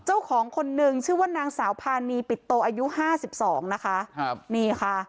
เจ้าของคนนึงชื่อว่านางสาวพานีปิดโตอายุห้าสิบสองนะคะครับนี่ค่ะ